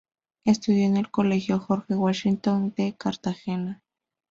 Estudió en el Colegio Jorge Washington de Cartagena.